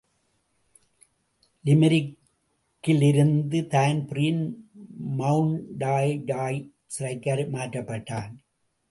லிமெரிக்கிலிருந்து Dan Breen Mountjoy சிறைக்கு மாற்றப்பட்டான்.